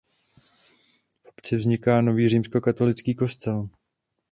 V obci vzniká nový římskokatolický kostel.